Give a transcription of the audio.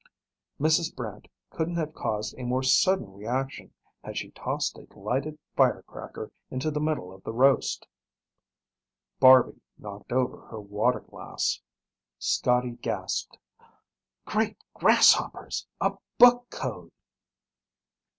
Mrs. Brant couldn't have caused a more sudden reaction had she tossed a lighted firecracker into the middle of the roast. Barby knocked over her water glass. Scotty gasped, "Great grasshoppers! A book code!"